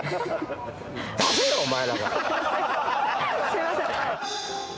すいません。